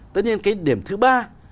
tất nhiên cái điểm thứ ba